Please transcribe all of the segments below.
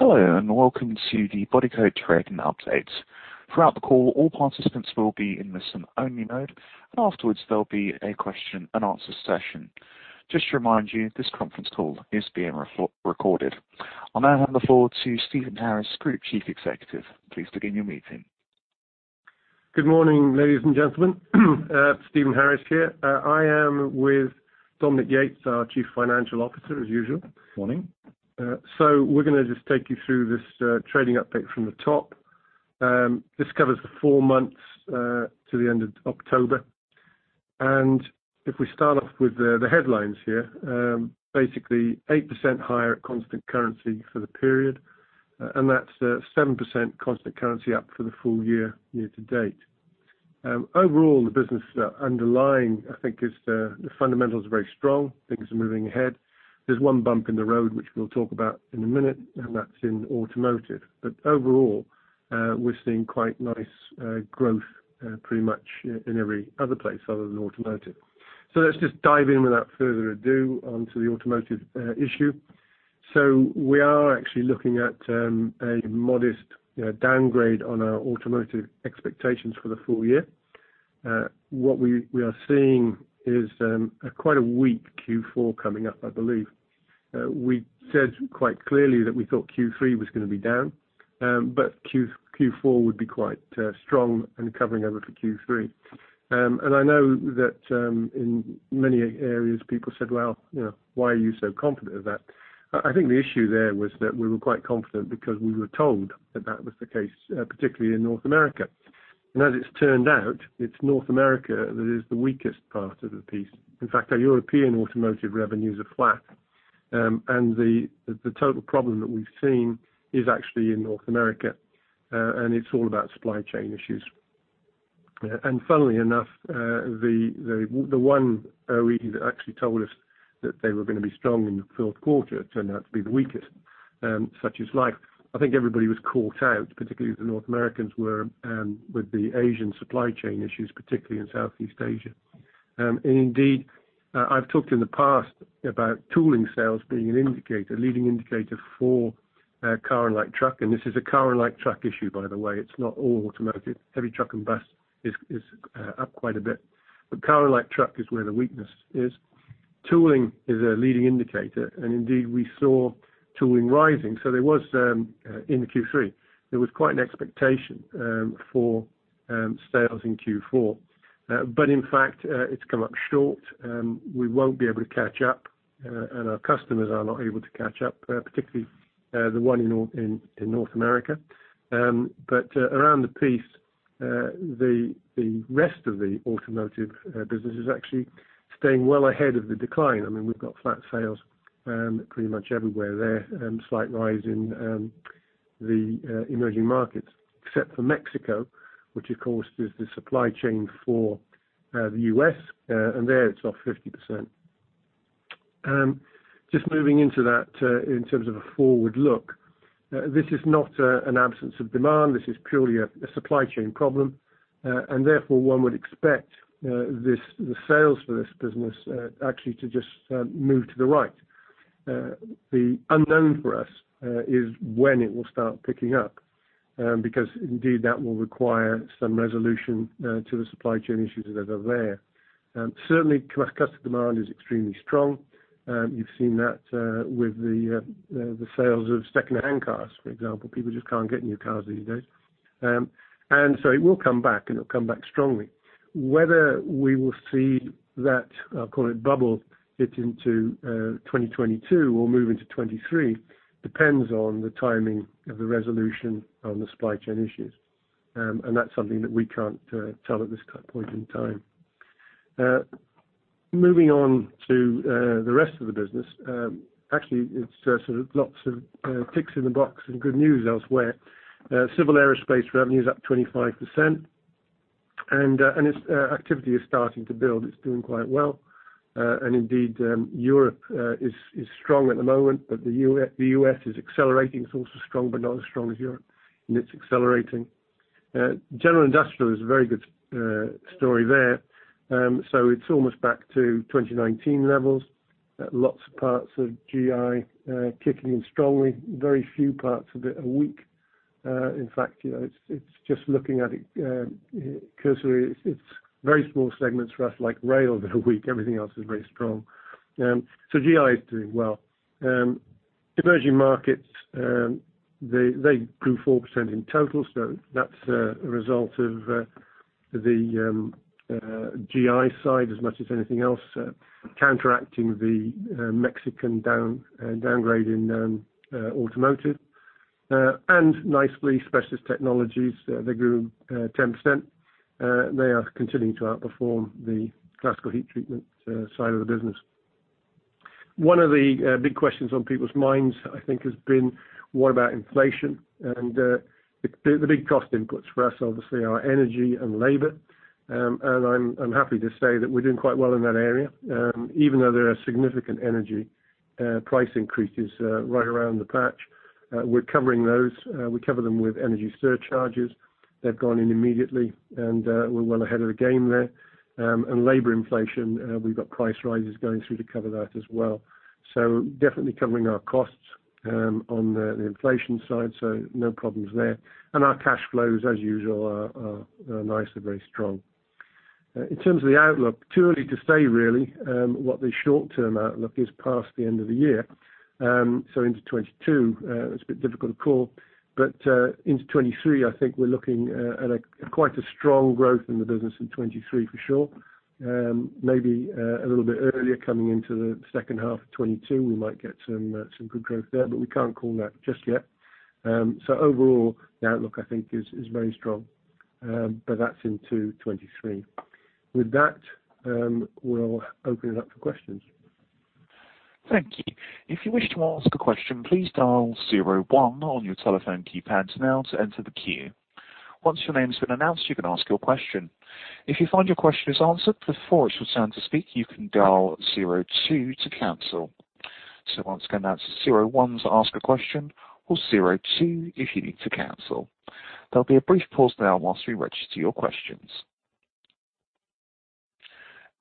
Hello, and welcome to the Bodycote Trading Update. Throughout the call, all participants will be in listen-only mode, and afterwards, there'll be a question-and-answer session. Just to remind you, this conference call is being recorded. I'll now hand over to Stephen Harris, Group Chief Executive. Please begin your meeting. Good morning, ladies and gentlemen. Stephen Harris here. I am with Dominique Yates, our Chief Financial Officer, as usual. Morning. So we're gonna just take you through this trading update from the top. This covers the four months to the end of October. If we start off with the headlines here, basically 8% higher at constant currency for the period, and that's 7% constant currency up for the full year, year to date. Overall, the business underlying, I think, the fundamentals are very strong. Things are moving ahead. There's one bump in the road, which we'll talk about in a minute, and that's in automotive. But overall, we're seeing quite nice growth, pretty much in every other place other than automotive. So let's just dive in without further ado onto the automotive issue. So we are actually looking at a modest downgrade on our automotive expectations for the full year. What we are seeing is quite a weak Q4 coming up, I believe. We said quite clearly that we thought Q3 was gonna be down, but Q4 would be quite strong and covering over for Q3. And I know that in many areas, people said, "Well, you know, why are you so confident of that?" I think the issue there was that we were quite confident because we were told that that was the case, particularly in North America. And as it's turned out, it's North America that is the weakest part of the piece. In fact, our European automotive revenues are flat, and the total problem that we've seen is actually in North America, and it's all about supply chain issues. And funnily enough, the one OEM that actually told us that they were gonna be strong in the fourth quarter turned out to be the weakest, such is life. I think everybody was caught out, particularly the North Americans were, with the Asian supply chain issues, particularly in Southeast Asia. And indeed, I've talked in the past about tooling sales being an indicator, leading indicator for car and light truck, and this is a car and light truck issue, by the way. It's not all automotive. Heavy truck and bus is up quite a bit, but car and light truck is where the weakness is. Tooling is a leading indicator, and indeed, we saw tooling rising, so there was in the Q3, there was quite an expectation for sales in Q4. But in fact, it's come up short, we won't be able to catch up, and our customers are not able to catch up, particularly the one in North America. But around the place, the rest of the automotive business is actually staying well ahead of the decline. I mean, we've got flat sales pretty much everywhere there, slight rise in the emerging markets, except for Mexico, which of course is the supply chain for the U.S., and there it's off 50%. Just moving into that, in terms of a forward look, this is not an absence of demand. This is purely a supply chain problem, and therefore, one would expect the sales for this business actually to just move to the right. The unknown for us is when it will start picking up, because indeed, that will require some resolution to the supply chain issues that are there. Certainly, customer demand is extremely strong. You've seen that with the sales of secondhand cars, for example. People just can't get new cars these days. And so it will come back, and it'll come back strongly. Whether we will see that, call it bubble, get into 2022 or move into 2023, depends on the timing of the resolution on the supply chain issues. And that's something that we can't tell at this point in time. Moving on to the rest of the business, actually, it's sort of lots of ticks in the box and good news elsewhere. Civil Aerospace revenue is up 25%, and its activity is starting to build. It's doing quite well. And indeed, Europe is strong at the moment, but the U.S. is accelerating. It's also strong, but not as strong as Europe, and it's accelerating. General Industrial is a very good story there. So it's almost back to 2019 levels. Lots of parts of GI kicking in strongly, very few parts of it are weak. In fact, you know, it's just looking at it cursory, it's very small segments for us, like rail, that are weak. Everything else is very strong. So GI is doing well. Emerging markets, they grew 4% in total, so that's a result of the GI side as much as anything else, counteracting the Mexican downgrade in automotive. And nicely, Specialist Technologies, they grew 10%. They are continuing to outperform the Classical Heat Treatment side of the business. One of the big questions on people's minds, I think, has been: What about inflation? And the big cost inputs for us, obviously, are energy and labor. And I'm happy to say that we're doing quite well in that area. Even though there are significant energy price increases right around the patch, we're covering those. We cover them with energy surcharges. They've gone in immediately, and we're well ahead of the game there. And labor inflation, we've got price rises going through to cover that as well. So definitely covering our costs on the inflation side, so no problems there. And our cash flows, as usual, are nice and very strong. In terms of the outlook, too early to say really what the short-term outlook is past the end of the year. So into 2022, it's a bit difficult to call, but into 2023, I think we're looking at a quite a strong growth in the business in 2023, for sure. Maybe a little bit earlier, coming into the second half of 2022, we might get some good growth there, but we can't call that just yet. So overall, the outlook, I think, is very strong. But that's into 2023. With that, we'll open it up for questions. Thank you. If you wish to ask a question, please dial zero one on your telephone keypad now to enter the queue. Once your name has been announced, you can ask your question. If you find your question is answered before it's your turn to speak, you can dial zero two to cancel. So once again, that's zero one to ask a question or zero two if you need to cancel. There'll be a brief pause now while we register your questions.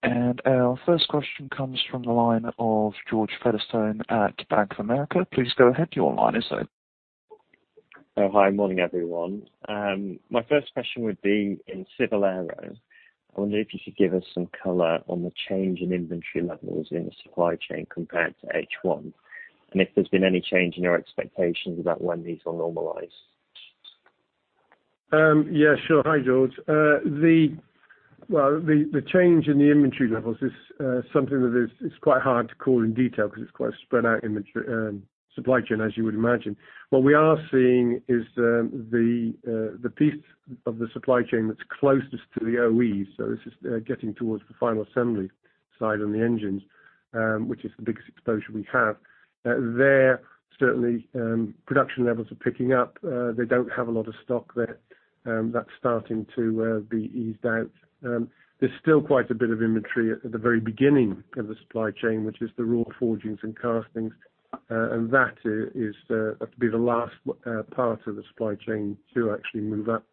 And our first question comes from the line of George Featherstone at Bank of America. Please go ahead. Your line is open. Oh, hi, morning, everyone. My first question would be in civil aero. I wonder if you could give us some color on the change in inventory levels in the supply chain compared to H1, and if there's been any change in your expectations about when these will normalize? Yeah, sure. Hi, George. Well, the change in the inventory levels is something that is quite hard to call in detail because it's quite a spread-out supply chain, as you would imagine. What we are seeing is the piece of the supply chain that's closest to the OEs, so this is getting towards the final assembly side on the engines, which is the biggest exposure we have. There, certainly, production levels are picking up. They don't have a lot of stock there. That's starting to be eased out. There's still quite a bit of inventory at the very beginning of the supply chain, which is the raw forgings and castings, and that is, that to be the last, part of the supply chain to actually move up,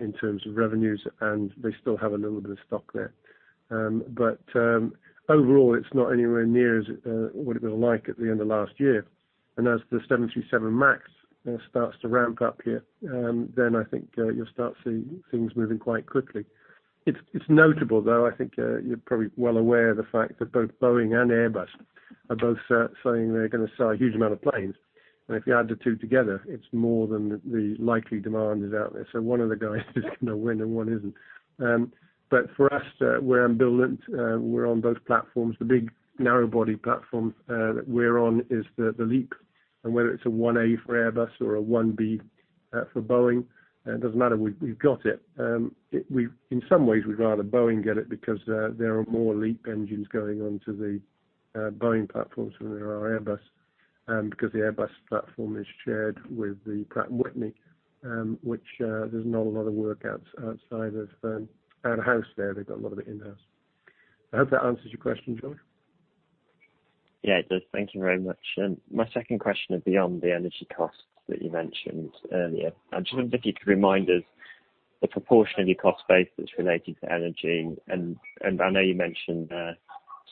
in terms of revenues, and they still have a little bit of stock there. But, overall, it's not anywhere near as, what it was like at the end of last year. And as the 737 MAX, starts to ramp up here, then I think, you'll start seeing things moving quite quickly. It's, it's notable, though, I think, you're probably well aware of the fact that both Boeing and Airbus are both saying they're going to sell a huge amount of planes. If you add the two together, it's more than the likely demand is out there. So one of the guys is going to win and one isn't. But for us, we're on Boeing, we're on both platforms. The big narrow body platform that we're on is the LEAP, and whether it's a 1A for Airbus or a 1B for Boeing, it doesn't matter, we've got it. In some ways, we'd rather Boeing get it because there are more LEAP engines going onto the Boeing platforms than there are Airbus, because the Airbus platform is shared with the Pratt & Whitney, which there's not a lot of work outside of our house there. They've got a lot of it in-house. I hope that answers your question, George. Yeah, it does. Thank you very much. My second question is beyond the energy costs that you mentioned earlier. I just wonder if you could remind us the proportion of your cost base that's related to energy. And I know you mentioned,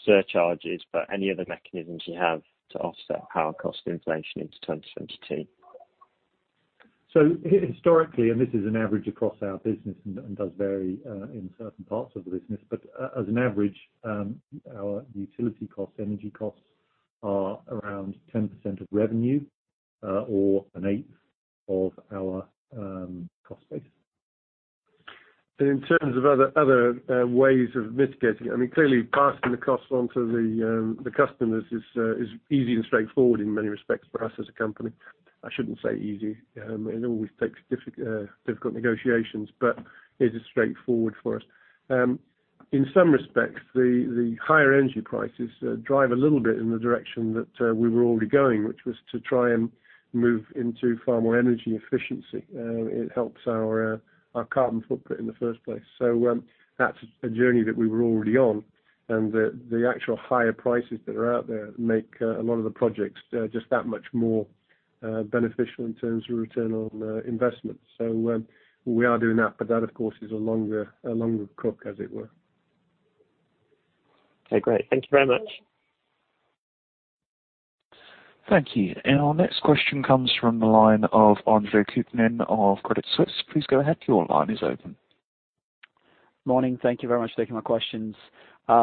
surcharges, but any other mechanisms you have to offset power cost inflation into 2022? So historically, and this is an average across our business and does vary in certain parts of the business. But as an average, our utility costs, energy costs, are around 10% of revenue, or an eighth of our cost base. And in terms of other ways of mitigating it, I mean, clearly, passing the cost on to the customers is easy and straightforward in many respects for us as a company. I shouldn't say easy, it always takes difficult negotiations, but it is straightforward for us. In some respects, the higher energy prices drive a little bit in the direction that we were already going, which was to try and move into far more energy efficiency. It helps our carbon footprint in the first place. So, that's a journey that we were already on, and the actual higher prices that are out there make a lot of the projects just that much more beneficial in terms of return on investment. So, we are doing that, but that, of course, is a longer cook, as it were. Okay, great. Thank you very much. Thank you. And our next question comes from the line of Andre Kukhnin of Credit Suisse. Please go ahead. Your line is open. Morning. Thank you very much for taking my questions. So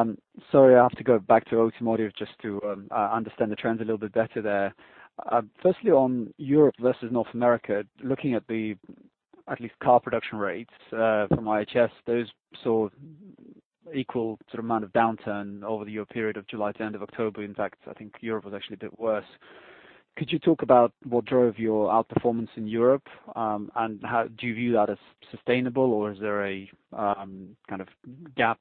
I have to go back to automotive just to understand the trends a little bit better there. Firstly, on Europe versus North America, looking at least car production rates from IHS, those saw equal to the amount of downturn over your period of July to end of October. In fact, I think Europe was actually a bit worse. Could you talk about what drove your outperformance in Europe? And how do you view that as sustainable, or is there a kind of gap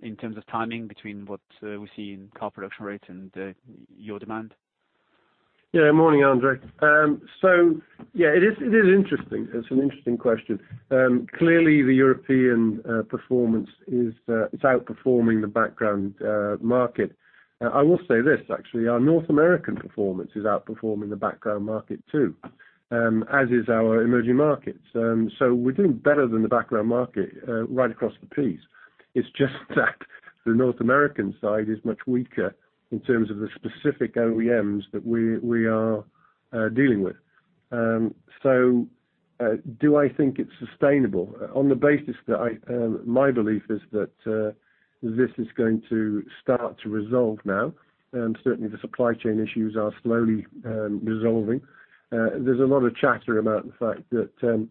in terms of timing between what we see in car production rates and your demand? Yeah. Morning, Andre. So yeah, it is, it is interesting. It's an interesting question. Clearly, the European performance is outperforming the background market. I will say this, actually, our North American performance is outperforming the background market, too, as is our emerging markets. So we're doing better than the background market right across the piece. It's just that the North American side is much weaker in terms of the specific OEMs that we are dealing with. So, do I think it's sustainable? On the basis that I... My belief is that this is going to start to resolve now, and certainly the supply chain issues are slowly resolving. There's a lot of chatter about the fact that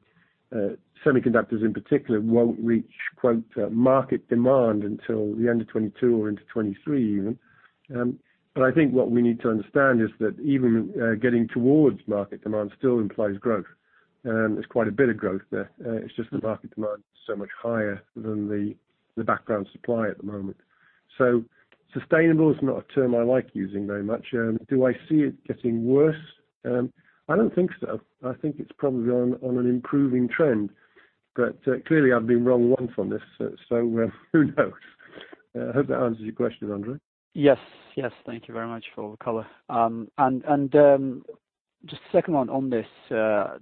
semiconductors in particular won't reach, quote, "market demand" until the end of 2022 or into 2023 even. But I think what we need to understand is that even getting towards market demand still implies growth, and there's quite a bit of growth there. It's just the market demand is so much higher than the background supply at the moment. So sustainable is not a term I like using very much. Do I see it getting worse? I don't think so. I think it's probably on an improving trend, but clearly I've been wrong once on this, so who knows? I hope that answers your question, Andre. Yes. Yes, thank you very much for the color. Just second one on this, and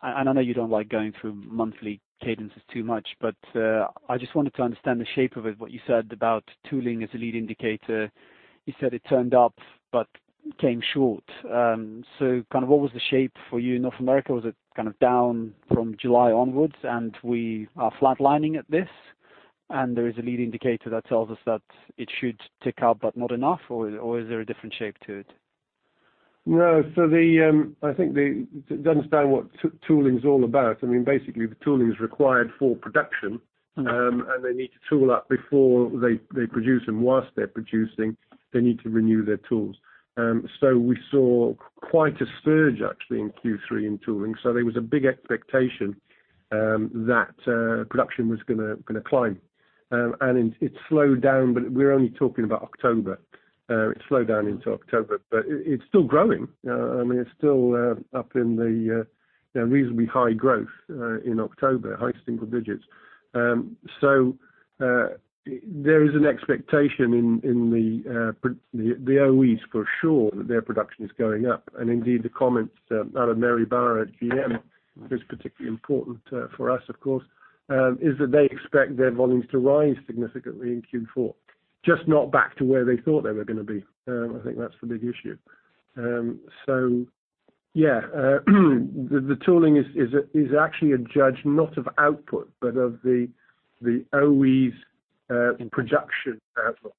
I know you don't like going through monthly cadences too much, but I just wanted to understand the shape of it, what you said about tooling as a lead indicator. You said it turned up but came short. So kind of what was the shape for you in North America? Was it kind of down from July onwards, and we are flatlining at this, and there is a lead indicator that tells us that it should tick up, but not enough, or is there a different shape to it? No, so I think to understand what tooling is all about, I mean, basically, the tooling is required for production. Mm-hmm. They need to tool up before they produce, and while they're producing, they need to renew their tools. So we saw quite a surge, actually, in Q3 in tooling, so there was a big expectation that production was gonna climb. And it slowed down, but we're only talking about October. It slowed down into October, but it's still growing. I mean, it's still up in the, you know, reasonably high growth in October, high single digits. So there is an expectation in the OEs for sure that their production is going up. Indeed, the comments out of Mary Barra at GM, who is particularly important for us, of course, is that they expect their volumes to rise significantly in Q4, just not back to where they thought they were gonna be. I think that's the big issue. So yeah, the tooling is actually a judge, not of output, but of the OEM's production outlook.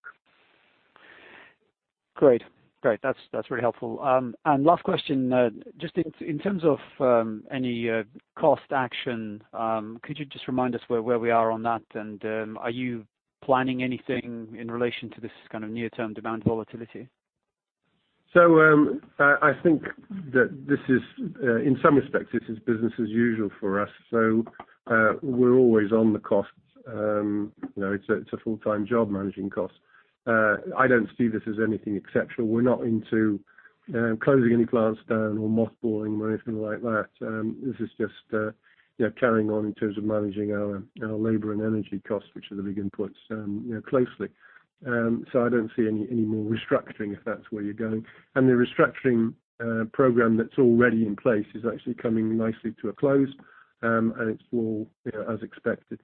Great. Great, that's, that's very helpful. And last question, just in terms of any cost action, could you just remind us where we are on that? And, are you planning anything in relation to this kind of near-term demand volatility? So, I think that this is, in some respects, this is business as usual for us. So, we're always on the costs. You know, it's a full-time job, managing costs. I don't see this as anything exceptional. We're not into closing any plants down or mothballing or anything like that. This is just, you know, carrying on in terms of managing our labor and energy costs, which are the big inputs, you know, closely. So I don't see any more restructuring, if that's where you're going. And the restructuring program that's already in place is actually coming nicely to a close, and it's all, you know, as expected.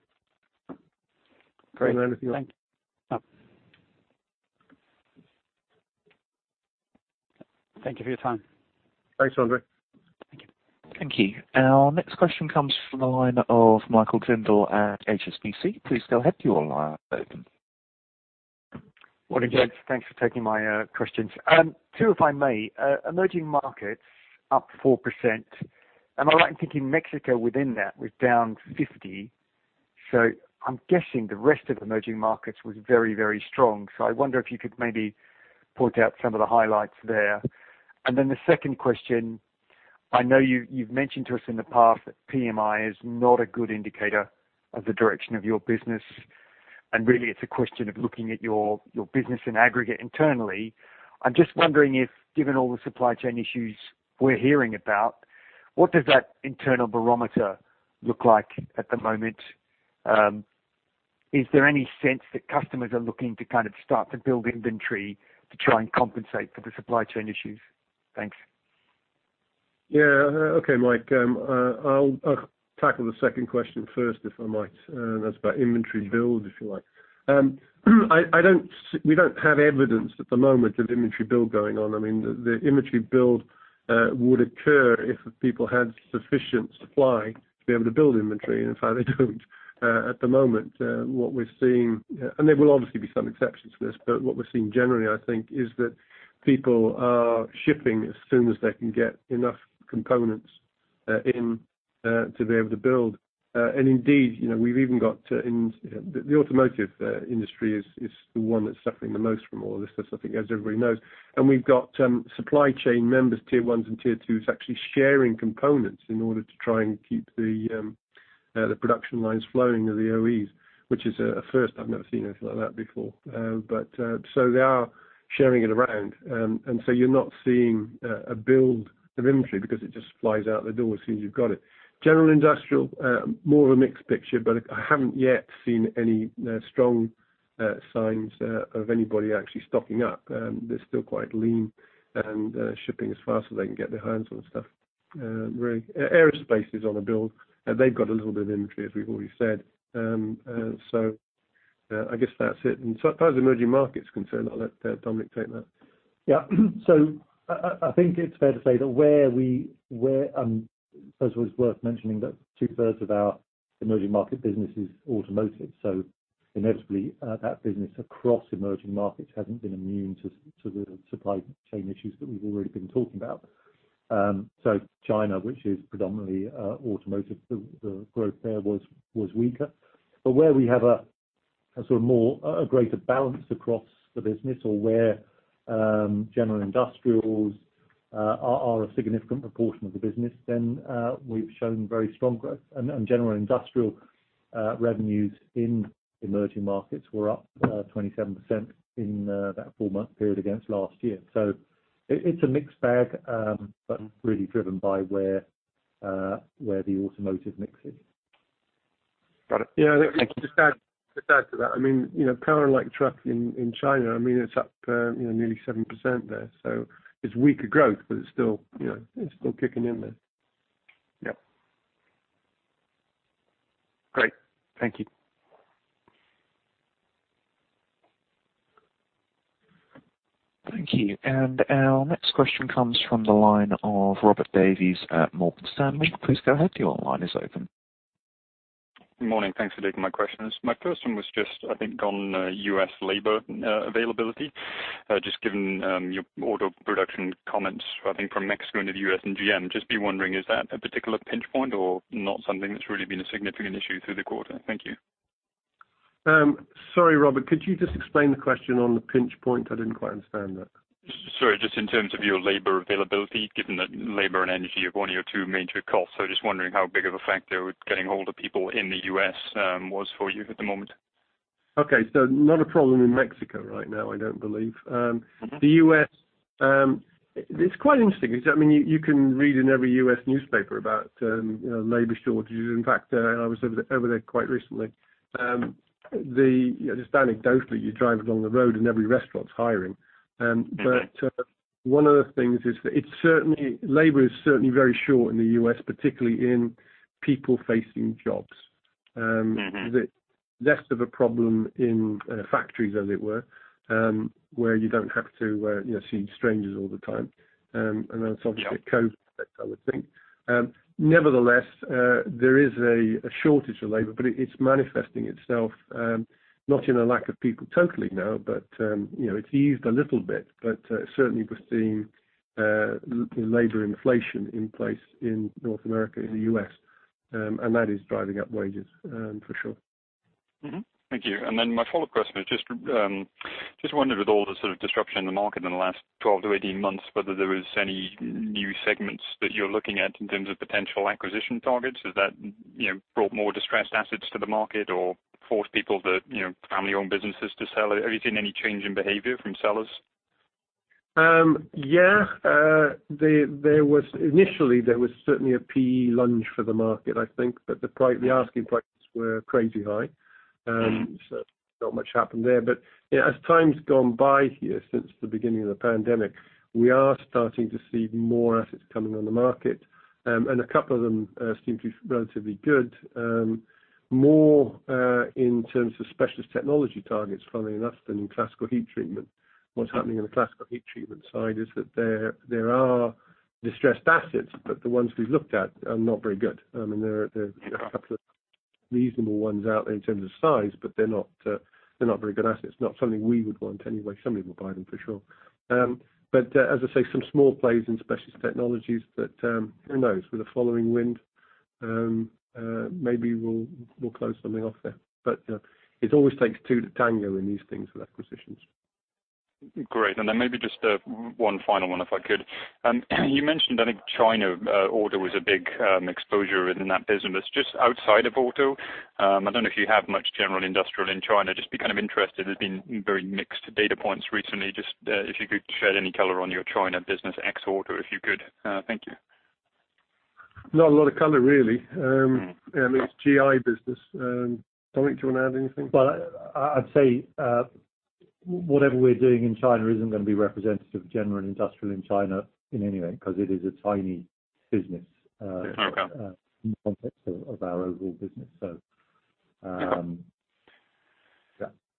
Great. Is there anything else? No. Thank you for your time. Thanks, Andre. Thank you. Thank you. Our next question comes from the line of Michael Tyndall at HSBC. Please go ahead, your line is open. Morning, James. Thanks for taking my questions. Two, if I may. Emerging markets up 4%, am I right in thinking Mexico within that was down 50%? So I'm guessing the rest of emerging markets was very, very strong. So I wonder if you could maybe point out some of the highlights there. And then the second question, I know you've mentioned to us in the past that PMI is not a good indicator of the direction of your business, and really, it's a question of looking at your business in aggregate internally. I'm just wondering if, given all the supply chain issues we're hearing about, what does that internal barometer look like at the moment? Is there any sense that customers are looking to kind of start to build inventory to try and compensate for the supply chain issues? Thanks. Yeah. Okay, Mike. I'll tackle the second question first, if I might. That's about inventory build, if you like. We don't have evidence at the moment of inventory build going on. I mean, the inventory build would occur if people had sufficient supply to be able to build inventory, and so they don't at the moment. What we're seeing... And there will obviously be some exceptions to this, but what we're seeing generally, I think, is that people are shipping as soon as they can get enough components to be able to build. And indeed, you know, we've even got in... The automotive industry is the one that's suffering the most from all of this stuff, I think, as everybody knows. We've got supply chain members, tier ones and tier twos, actually sharing components in order to try and keep the production lines flowing of the OEs, which is a first. I've never seen anything like that before. But so they are sharing it around, and so you're not seeing a build of inventory because it just flies out the door as soon as you've got it. General Industrial, more of a mixed picture, but I haven't yet seen any strong signs of anybody actually stocking up. They're still quite lean and shipping as fast as they can get their hands on stuff. Aerospace is on a build, and they've got a little bit of inventory, as we've already said. So I guess that's it. As far as emerging markets are concerned, I'll let Dominic take that. Yeah. So I think it's fair to say that first it's worth mentioning that two-thirds of our emerging market business is automotive. So inevitably, that business across emerging markets hasn't been immune to the supply chain issues that we've already been talking about. So China, which is predominantly automotive, the growth there was weaker. But where we have a sort of more, a greater balance across the business or where General Industrial are a significant proportion of the business, then we've shown very strong growth. And general industrial revenues in emerging markets were up 27% in that four-month period against last year. So it's a mixed bag, but really driven by where the automotive mix is. Got it. Yeah. Thank you. Just to add, just to add to that, I mean, you know, power and light truck in, in China, I mean, it's up, you know, nearly 7% there. So it's weaker growth, but it's still, you know, it's still kicking in there. Yep. Great. Thank you. Thank you. Our next question comes from the line of Robert Davies at Morgan Stanley. Please go ahead. Your line is open. Good morning. Thanks for taking my questions. My first one was just, I think, on U.S. labor availability. Just given your order production comments, I think, from Mexico into the U.S. and GM, just be wondering, is that a particular pinch point or not something that's really been a significant issue through the quarter? Thank you. Sorry, Robert, could you just explain the question on the pinch point? I didn't quite understand that. Sorry, just in terms of your labor availability, given that labor and energy are one of your two major costs. Just wondering how big of a factor with getting hold of people in the U.S. was for you at the moment? Okay. Not a problem in Mexico right now, I don't believe. Mm-hmm. The U.S., it's quite interesting because, I mean, you can read in every U.S. newspaper about, you know, labor shortages. In fact, I was over there quite recently. Just anecdotally, you drive along the road, and every restaurant is hiring. Okay. But one of the things is that it's certainly labor is certainly very short in the U.S., particularly in people-facing jobs. Mm-hmm. It's less of a problem in factories, as it were, where you don't have to, you know, see strangers all the time. And then- Sure. It's obviously COVID, I would think. Nevertheless, there is a shortage of labor, but it's manifesting itself not in a lack of people totally, no, but you know, it's eased a little bit, but certainly, we're seeing labor inflation in place in North America, in the U.S., and that is driving up wages for sure. Mm-hmm. Thank you. And then my follow-up question is just, just wondered with all the sort of disruption in the market in the last 12-18 months, whether there was any new segments that you're looking at in terms of potential acquisition targets. Has that, you know, brought more distressed assets to the market or forced people to, you know, family-owned businesses to sell? Have you seen any change in behavior from sellers? Yeah. There was initially certainly a PE lunge for the market, I think, but the asking prices were crazy high. Mm-hmm. So not much happened there. But yeah, as time's gone by here since the beginning of the pandemic, we are starting to see more assets coming on the market, and a couple of them seem to be relatively good. More in terms of Specialist Technologies targets, funnily enough, than in Classical Heat Treatment. What's happening in the Classical Heat Treatment side is that there are distressed assets, but the ones we've looked at are not very good. And there are Okay... a couple of reasonable ones out there in terms of size, but they're not, they're not very good assets, not something we would want anyway. Somebody will buy them for sure. But, as I say, some small plays in Specialist Technologies that, who knows? With the following wind, maybe we'll, we'll close something off there. But, it always takes two to tango in these things with acquisitions. Great. And then maybe just one final one, if I could. You mentioned, I think, China Auto was a big exposure in that business. Just outside of Auto, I don't know if you have much general industrial in China. Just be kind of interested. There's been very mixed data points recently. Just, if you could shed any color on your China business ex Auto, if you could, thank you. Not a lot of color, really. Mm-hmm. - I mean, it's GI business. Dominic, do you want to add anything? Well, I'd say whatever we're doing in China isn't going to be representative of General Industrial in China in any way, because it is a tiny business. Okay... in the context of our overall business. So. Yeah.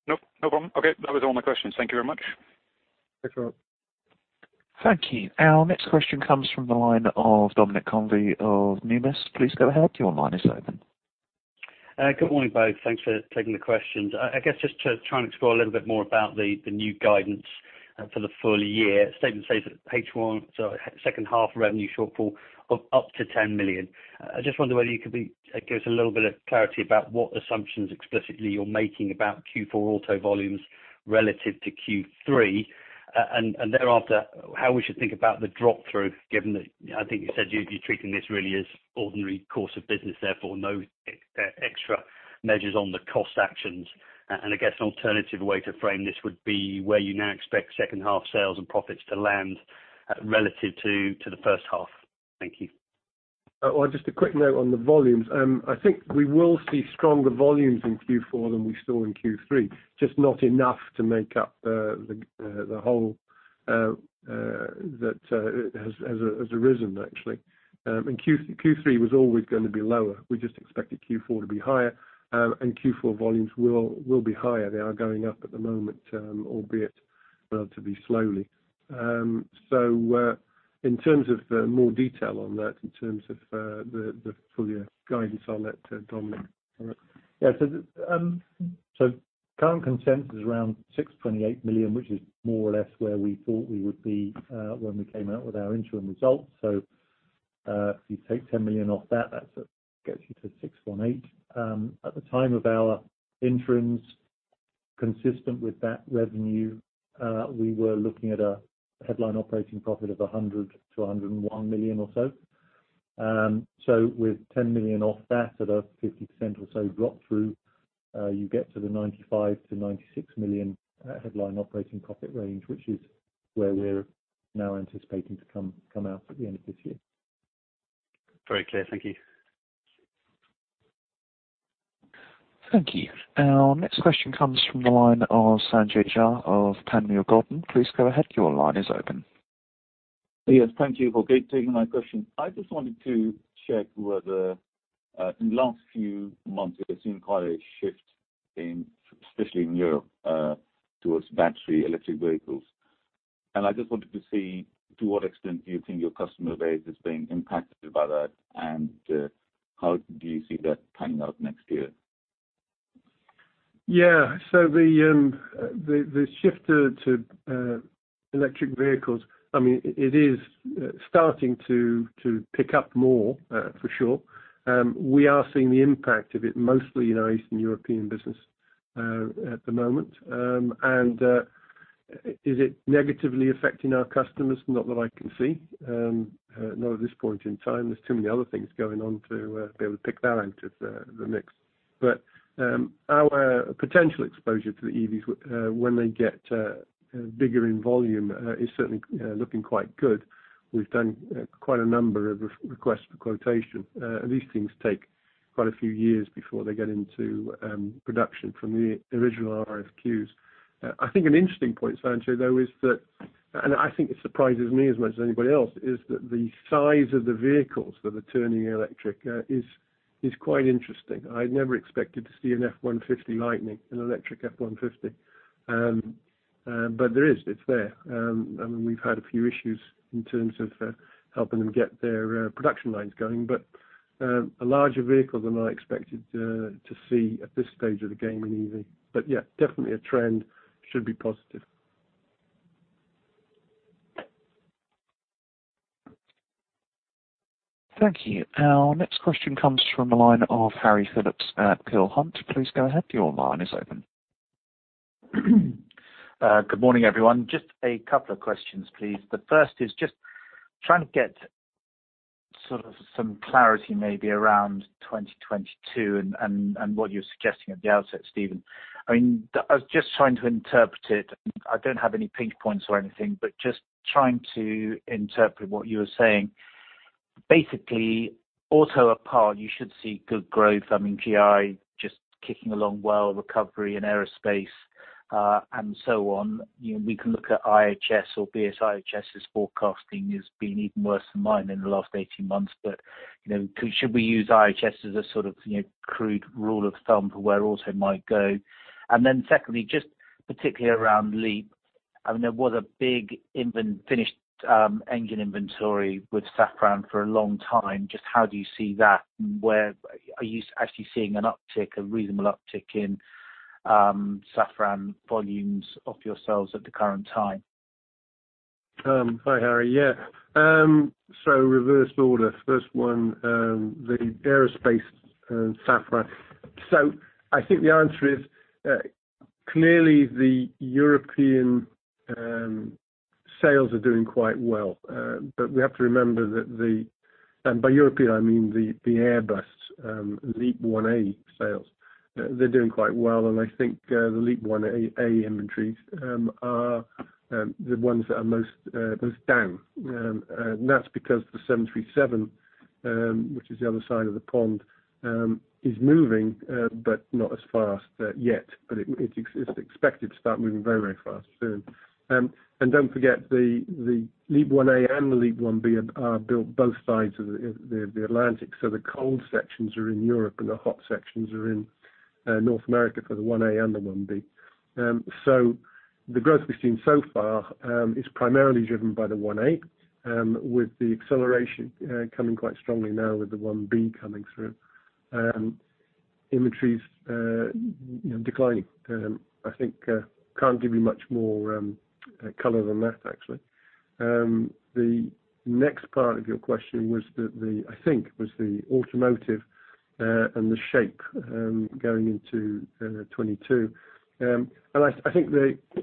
No, no problem. Okay, that was all my questions. Thank you very much. Thanks, Robert. Thank you. Our next question comes from the line of Dominic Convey of Numis. Please go ahead. Your line is open. Good morning, both. Thanks for taking the questions. I guess just to try and explore a little bit more about the new guidance for the full year. The statement says that page one, so second half revenue shortfall of up to 10 million. I just wonder whether you could give us a little bit of clarity about what assumptions explicitly you're making about Q4 auto volumes relative to Q3, and thereafter, how we should think about the drop-through, given that I think you said you'd be treating this really as ordinary course of business, therefore, no extra measures on the cost actions. And I guess an alternative way to frame this would be where you now expect second half sales and profits to land relative to the first half. Thank you. ... Well, just a quick note on the volumes. I think we will see stronger volumes in Q4 than we saw in Q3, just not enough to make up the whole that has arisen, actually. In Q3 was always going to be lower. We just expected Q4 to be higher, and Q4 volumes will be higher. They are going up at the moment, albeit too slowly. So, in terms of more detail on that, in terms of the full year guidance on that, Dominic? Yeah, so, so current consensus is around 628 million, which is more or less where we thought we would be, when we came out with our interim results. So, if you take 10 million off that, that gets you to 618. At the time of our interims, consistent with that revenue, we were looking at a headline operating profit of 100 million-101 million or so. So with 10 million off that, at a 50% or so drop through, you get to the 95 million-96 million headline operating profit range, which is where we're now anticipating to come, come out at the end of this year. Very clear. Thank you. Thank you. Our next question comes from the line of Sanjay Jha of Panmure Gordon. Please go ahead. Your line is open. Yes, thank you for taking my question. I just wanted to check whether, in the last few months, we have seen quite a shift in, especially in Europe, towards battery electric vehicles. I just wanted to see, to what extent do you think your customer base is being impacted by that, and, how do you see that panning out next year? Yeah, so the shift to electric vehicles, I mean, it is starting to pick up more, for sure. We are seeing the impact of it, mostly in our Eastern European business, at the moment. And, is it negatively affecting our customers? Not that I can see, not at this point in time. There's too many other things going on to be able to pick that out of the mix. But, our potential exposure to the EVs, when they get bigger in volume, is certainly looking quite good. We've done quite a number of requests for quotation. These things take quite a few years before they get into production from the original RFQs. I think an interesting point, Sanjay, though, is that, and I think it surprises me as much as anybody else, is that the size of the vehicles that are turning electric, is quite interesting. I never expected to see an F-150 Lightning, an electric F-150. But there is, it's there. And we've had a few issues in terms of, helping them get their production lines going, but, a larger vehicle than I expected, to see at this stage of the game in EV. But yeah, definitely a trend. Should be positive. Thank you. Our next question comes from the line of Harry Philips at Peel Hunt. Please go ahead, your line is open. Good morning, everyone. Just a couple of questions, please. The first is just trying to get sort of some clarity, maybe around 2022 and what you're suggesting at the outset, Stephen. I mean, I was just trying to interpret it. I don't have any pink points or anything, but just trying to interpret what you were saying. Basically, auto apart, you should see good growth. I mean, GI just kicking along well, recovery in aerospace, and so on. You know, we can look at IHS or BSI. IHS's forecasting has been even worse than mine in the last 18 months, but, you know, should we use IHS as a sort of, you know, crude rule of thumb for where auto might go? And then secondly, just particularly around LEAP, I mean, there was a big finished engine inventory with Safran for a long time. Just how do you see that? Where are you actually seeing an uptick, a reasonable uptick in Safran volumes off your sales at the current time? Hi, Harry. Yeah. So reversed order. First one, the aerospace, Safran. So I think the answer is, clearly, the European sales are doing quite well. But we have to remember that the... And by European, I mean the, the Airbus, LEAP-1A sales. They're doing quite well, and I think, the LEAP-1A inventories are the ones that are most, most down. And that's because the 737, which is the other side of the pond, is moving, but not as fast, yet, but it, it's expected to start moving very, very fast soon. And don't forget, the, the LEAP-1A and the LEAP-1B are, are built both sides of the, the, the Atlantic. So the cold sections are in Europe, and the hot sections are in North America for the 1A and the 1B. So the growth we've seen so far is primarily driven by the 1A, with the acceleration coming quite strongly now with the 1B coming through. Inventories, you know, declining. I think can't give you much more color than that, actually. The next part of your question was the automotive and the shape going into 2022. And I think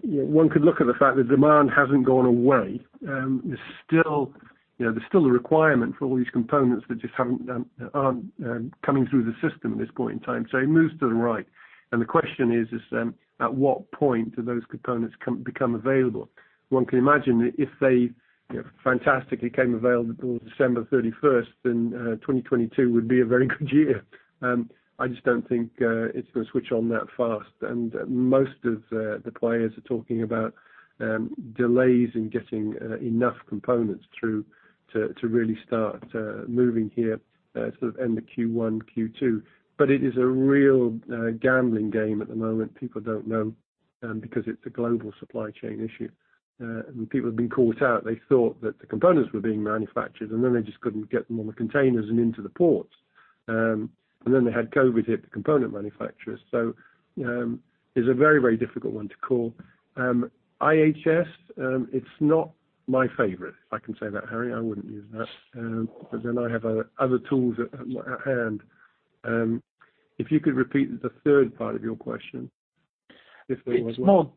one could look at the fact that demand hasn't gone away. There's still, you know, there's still a requirement for all these components that just aren't coming through the system at this point in time. So it moves to the right. The question is at what point do those components become available? One can imagine that if they, you know, fantastically became available December thirty-first, then 2022 would be a very good year. I just don't think it's going to switch on that fast. Most of the players are talking about delays in getting enough components through to really start moving here sort of in the Q1, Q2. But it is a real gambling game at the moment. People don't know... Because it's a global supply chain issue. And people have been caught out. They thought that the components were being manufactured, and then they just couldn't get them on the containers and into the ports. And then they had COVID hit the component manufacturers. So, it's a very, very difficult one to call. IHS, it's not my favorite. If I can say that, Harry, I wouldn't use that. But then I have other tools at hand. If you could repeat the third part of your question, if we were- It's more.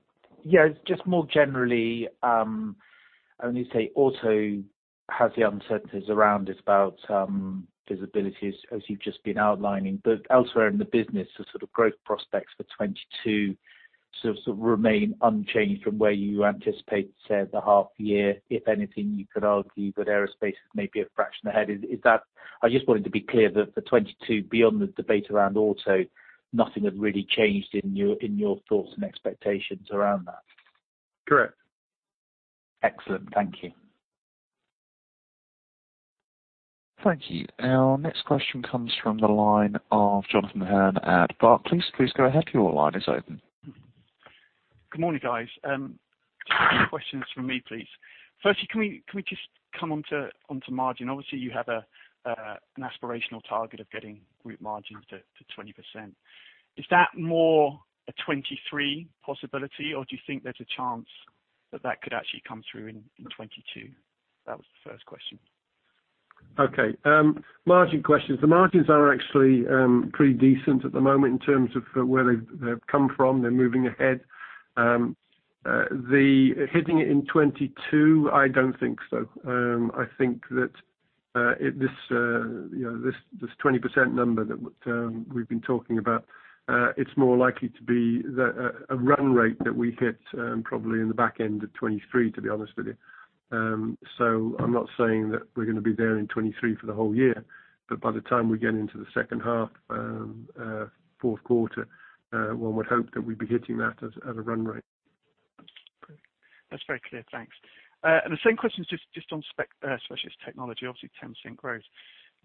Yeah, it's just more generally, I would say auto has the uncertainties around it, about visibilities, as you've just been outlining. But elsewhere in the business, the sort of growth prospects for 2022 sort of remain unchanged from where you anticipate, say, the half year. If anything, you could argue that aerospace is maybe a fraction ahead. Is that... I just wanted to be clear that for 2022, beyond the debate around auto, nothing has really changed in your thoughts and expectations around that. Correct. Excellent. Thank you. Thank you. Our next question comes from the line of Jonathan Hurn at Barclays. Please, please go ahead. Your line is open. Good morning, guys. Two questions from me, please. Firstly, can we just come onto margin? Obviously, you have an aspirational target of getting group margins to 20%. Is that more a 2023 possibility, or do you think there's a chance that that could actually come through in 2022? That was the first question. Okay, margin questions. The margins are actually pretty decent at the moment in terms of where they've come from. They're moving ahead. Hitting it in 2022, I don't think so. I think that it, this you know, this 20% number that we've been talking about, it's more likely to be a run rate that we hit, probably in the back end of 2023, to be honest with you. So I'm not saying that we're gonna be there in 2023 for the whole year, but by the time we get into the second half, fourth quarter, one would hope that we'd be hitting that as a run rate. That's very clear. Thanks. And the same question just, just on spec, Specialist Technology, obviously, 10% growth.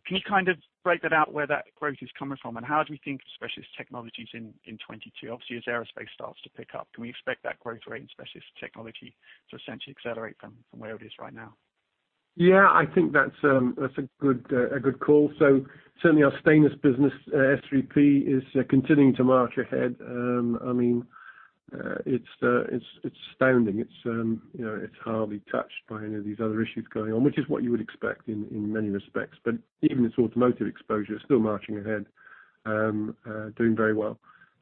Can you kind of break that out, where that growth is coming from? And how do we think of Specialist Technologies in, in 2022? Obviously, as aerospace starts to pick up, can we expect that growth rate in Specialist Technology to essentially accelerate from, from where it is right now? Yeah, I think that's a good call. So certainly our stainless business, S³P, is continuing to march ahead. I mean, it's astounding. You know, it's hardly touched by any of these other issues going on, which is what you would expect in many respects. But even its automotive exposure is still marching ahead, doing very well.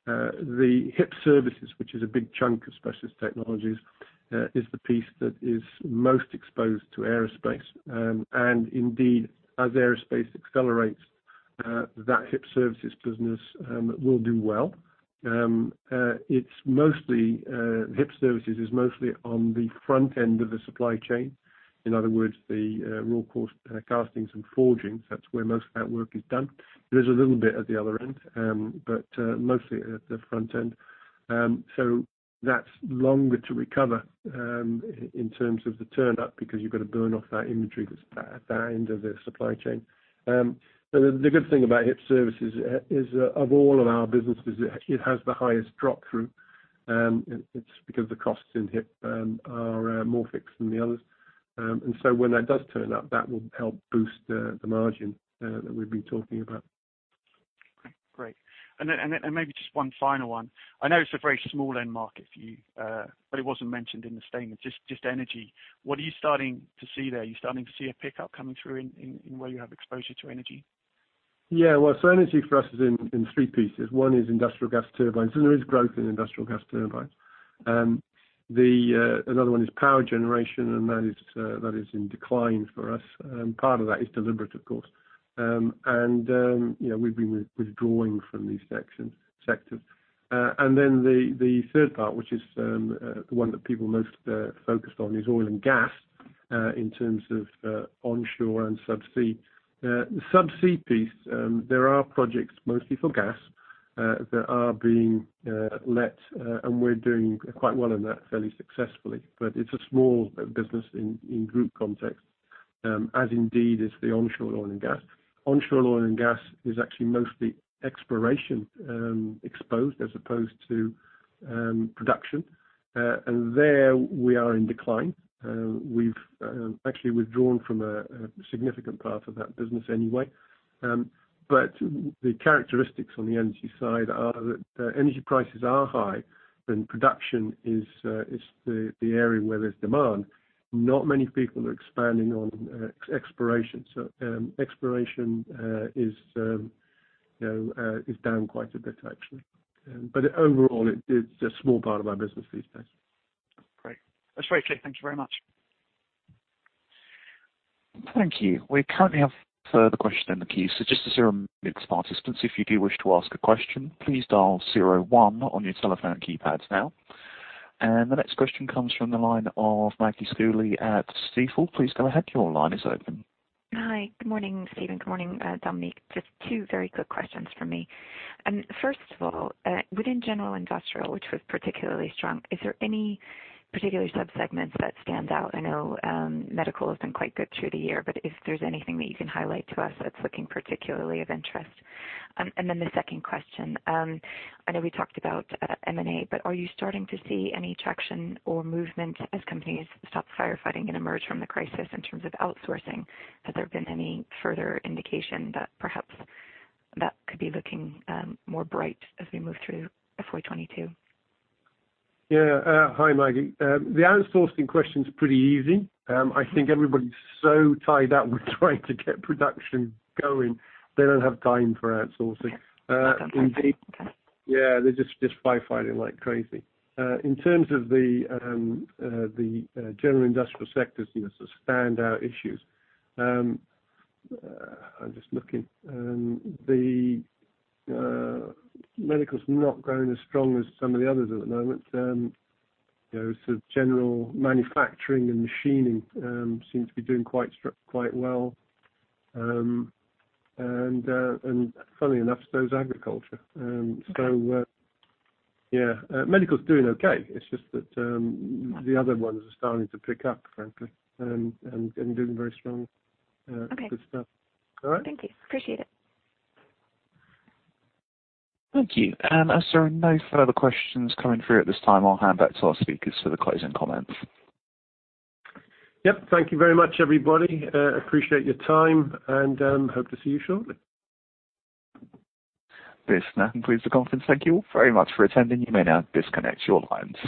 The HIP Services, which is a big chunk of Specialist Technologies, is the piece that is most exposed to aerospace. And indeed, as aerospace accelerates, that HIP Services business will do well. HIP Services is mostly on the front end of the supply chain. In other words, the raw castings and forgings, that's where most of that work is done. There is a little bit at the other end, but mostly at the front end. So that's longer to recover, in terms of the turn-up, because you've got to burn off that inventory that's at that end of the supply chain. So the good thing about HIP Services is, of all of our businesses, it has the highest drop-through. It's because the costs in HIP are more fixed than the others. And so when that does turn up, that will help boost the margin that we've been talking about. Great. And then, and then, and maybe just one final one. I know it's a very small end market for you, but it wasn't mentioned in the statement, just energy. What are you starting to see there? Are you starting to see a pickup coming through in where you have exposure to energy? Yeah. Well, so energy for us is in three pieces. One is industrial gas turbines, and there is growth in industrial gas turbines. Another one is power generation, and that is in decline for us. Part of that is deliberate, of course. And you know, we've been withdrawing from these sections, sectors. And then the third part, which is the one that people most focused on, is oil and gas, in terms of onshore and subsea. The subsea piece, there are projects, mostly for gas, that are being let, and we're doing quite well in that, fairly successfully. But it's a small business in group context, as indeed is the onshore oil and gas. Onshore oil and gas is actually mostly exploration exposed as opposed to production. And there we are in decline. We've actually withdrawn from a significant part of that business anyway. But the characteristics on the energy side are that energy prices are high, and production is the area where there's demand. Not many people are expanding on exploration. So, exploration, you know, is down quite a bit actually. But overall, it is a small part of our business these days. Great. That's very clear. Thank you very much. Thank you. We currently have further questions in the queue. So just as a reminder to participants, if you do wish to ask a question, please dial zero one on your telephone keypads now. And the next question comes from the line of Maggie Schooley at Stifel. Please go ahead. Your line is open. Hi. Good morning, Stephen. Good morning, Dominic. Just two very quick questions from me. First of all, within General Industrial, which was particularly strong, is there any particular sub-segments that stand out? I know, medical has been quite good through the year, but if there's anything that you can highlight to us that's looking particularly of interest. And then the second question, I know we talked about M&A, but are you starting to see any traction or movement as companies stop firefighting and emerge from the crisis in terms of outsourcing? Has there been any further indication that perhaps that could be looking more bright as we move through FY 2022? Yeah. Hi, Maggie. The outsourcing question is pretty easy. I think everybody's so tied up with trying to get production going, they don't have time for outsourcing. Yeah. Uh, indeed. Okay. Yeah, they're just firefighting like crazy. In terms of the general industrial sectors, you know, the standout issues, I'm just looking. The medical's not growing as strong as some of the others at the moment. You know, so general manufacturing and machining seem to be doing quite well. And funny enough, so is agriculture. Okay. So, medical is doing okay. It's just that, Yeah... the other ones are starting to pick up, frankly, and, and doing very strongly. Okay. Good stuff. All right? Thank you. Appreciate it. Thank you. As there are no further questions coming through at this time, I'll hand back to our speakers for the closing comments. Yep. Thank you very much, everybody. Appreciate your time, and hope to see you shortly. This now concludes the conference. Thank you all very much for attending. You may now disconnect your lines.